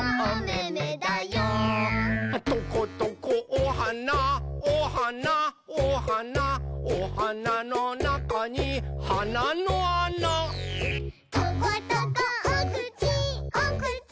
「トコトコおはなおはなおはなおはなのなかにはなのあな」「トコトコおくちおくち